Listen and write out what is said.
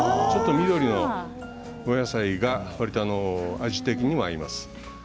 ちょっと緑のお野菜が、わりと味的にも合います。